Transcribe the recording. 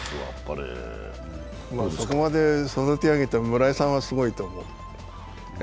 ここまで育て上げたコーチの村井さんはすごいと思う。